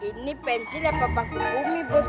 ini pinsilnya bapakku bumi bos